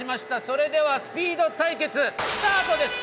それではスピード対決スタートです！